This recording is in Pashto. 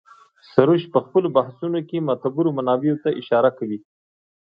سروش په خپلو بحثونو کې معتبرو منابعو ته اشاره کوي.